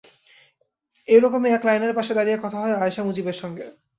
এ রকমই এক লাইনের পাশে দাঁড়িয়ে কথা হয় আয়শা মুজিবের সঙ্গে।